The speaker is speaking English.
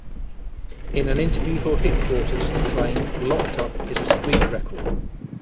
In an interview for HitQuarters, he claimed: "Locked Up" is a street record.